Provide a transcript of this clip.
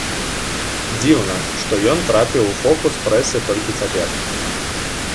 Дзіўна, што ён трапіў у фокус прэсы толькі цяпер.